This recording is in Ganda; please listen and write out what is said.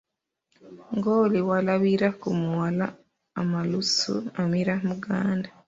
Ng'oli walabira ku muwala amalusu amira muganda.